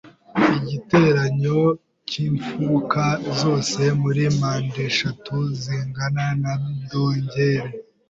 Igiteranyo cyimfuruka zose muri mpandeshatu zingana na dogere .